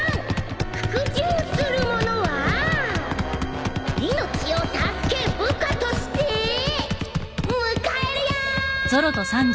服従する者は命を助け部下として迎えるよ。